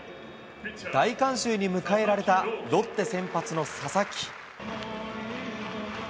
大観衆に迎えられたロッテ先発の佐々木。